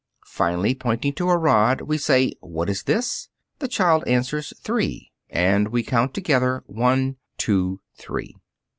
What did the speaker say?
Finally, pointing to a rod, we say, "What is this?" The child answers, "Three," and we count together: "One, two, three."